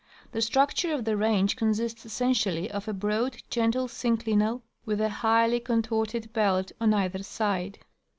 The structure of the range consists essentially of a broad, gentle synclinal, with a highly contorted belt on either side.